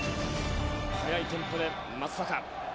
早いテンポで松坂。